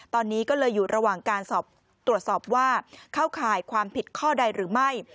ตอนนี้ก็เลยอยู่ระหว่างการตรวจสอบว่าเข้าข่ายความผิดข้อใดหรือไม่